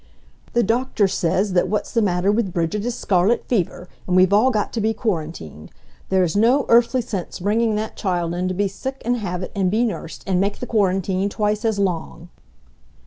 "The doctor says that what's the matter with Bridget is scarlet fever, and we've all got to be quarantined. There's no earthly sense bringing that child in to be sick and have it, and be nursed, and make the quarantine twice as long!"